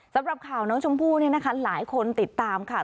สำหรับข่าวน้องชมพู่เนี่ยนะคะหลายคนติดตามค่ะ